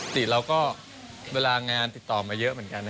ติเราก็เวลางานติดต่อมาเยอะเหมือนกัน